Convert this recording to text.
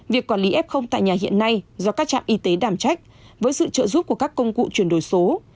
việc quản lý f tại nhà hiện nay do các trạm y tế đảm trách với sự trợ giúp của các công cụ chuyển đổi số